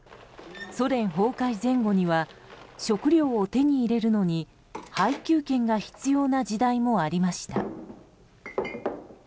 ソ連崩壊前後には食料を手に入れるのに配給券が必要な時代もありました。